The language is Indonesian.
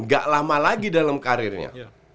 gak lama lagi dalam karirnya